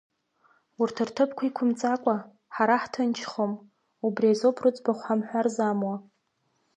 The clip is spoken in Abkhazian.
Урҭ рҭыԥ иқәымҵакәа, ҳара ҳҭынчхом, убри азоуп рыӡбахә ҳамҳәар замуа.